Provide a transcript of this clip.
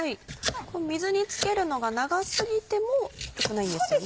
水につけるのが長過ぎても良くないんですよね？